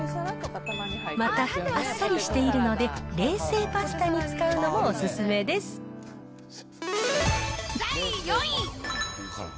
また、あっさりしているので、冷製パスタに使うのもお勧めで第４位。